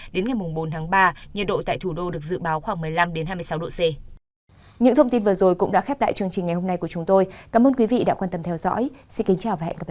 đến ngày bốn tháng ba nhiệt độ tại thủ đô được dự báo khoảng một mươi năm hai mươi sáu độ c